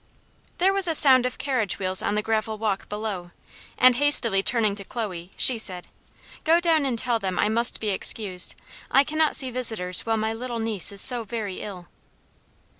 There was a sound of carriage wheels on the gravel walk below, and hastily turning to Chloe, she said, "Go down and tell them I must be excused. I cannot see visitors while my little niece is so very ill."